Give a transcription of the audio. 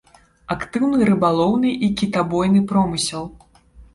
Актыўны рыбалоўны і кітабойным промысел.